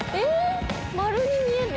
丸に見える。